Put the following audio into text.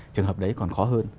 trường hợp đấy còn khó hơn